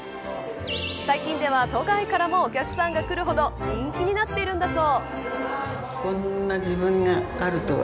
最近では、都外からもお客さんが来るほど人気になっているんだそう。